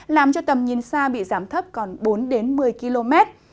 làm cho tầm nhìn xa bị giảm thấp còn bốn đến một mươi km